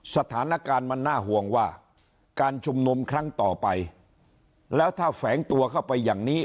สถานการณ์มันน่าห่วงว่าการชุมนุมครั้งต่อไปแล้วถ้าแฝงตัวเข้าไปอย่างนี้